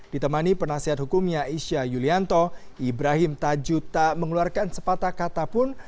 ditemani penasihat hukumnya isya yulianto ibrahim tajuh tak mengeluarkan sepatah kata pun